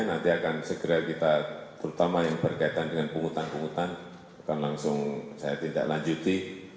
nanti akan segera kita terutama yang berkaitan dengan penghutang penghutan akan langsung saya tindak lanjuti